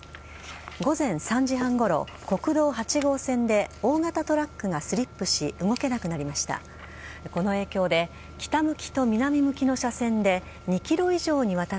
午前３時半ごろ、国道８号線で大型トラックがスリップし、動けなくなりました。